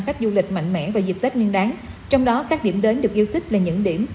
khách du lịch mạnh mẽ vào dịp tết nguyên đáng trong đó các điểm đến được yêu thích là những điểm